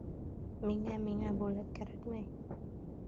— Миңә... миңә бүләк кәрәкмәй...